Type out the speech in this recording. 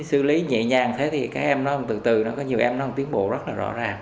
xử lý nhẹ nhàng thế thì các em nói từ từ có nhiều em nói tiến bộ rất là rõ ràng